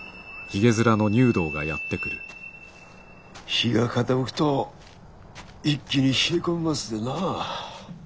日が傾くと一気に冷え込みますでなあ。